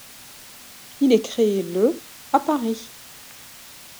Il est créé le à Paris.